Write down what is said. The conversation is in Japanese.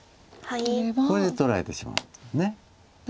これで取られてしまうと。